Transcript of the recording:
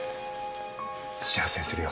幸せにするよ。